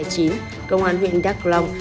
công an huyện đắk long